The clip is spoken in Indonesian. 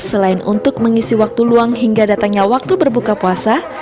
selain untuk mengisi waktu luang hingga datangnya waktu berbuka puasa